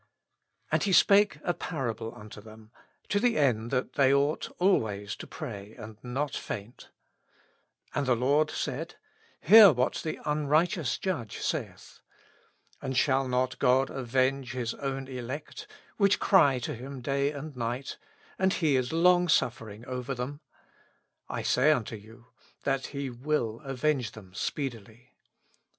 And He spake a pa7 able tinto ihem to the end that they ought always to pray ^ and not to faint. ,.. j4fid the Lord saidj Hear what the tinrighteous judge saiih. And shall not God avejtge His own elect, zvhich cry to Him day and nighty and He is long suffering over ihem ? I say tinto you, that He will avenge them speedily.